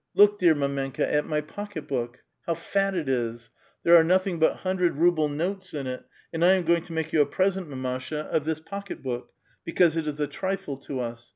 Look, dear mdmenka^ at my pocket book ! How fat it is ! there are nothing but hundred ruble notes in it, and I am going to make you a present, mamasha^ of this p()cket ])()ok, because it is a trifle to us.